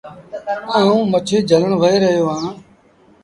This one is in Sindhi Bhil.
آئوٚنٚ مڇيٚ جھلڻ وهي رهيو اهآنٚ۔